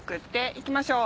いきましょう。